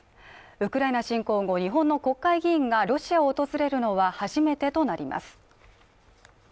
ウクライナ侵攻後日本の国会議員がロシアを訪れるのは初めてとなります。